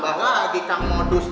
heee tambah lah di tang modus nih